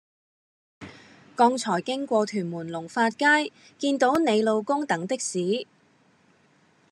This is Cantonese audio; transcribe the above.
剛才經過屯門龍發街見到你老公等的士